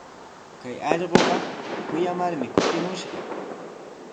Kay allquqa kuyamarmi kutimushqa.